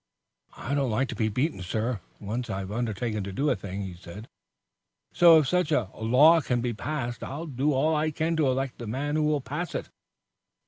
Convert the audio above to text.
"I don't like to be beaten, sir, once I've undertaken to do a thing," he said. "So if such a law can be passed I'll do all I can to elect the man who will pass it."